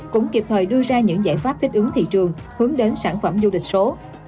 cũng kịp thời đưa ra những giải pháp thích ứng thị trường hướng đến sản phẩm du lịch số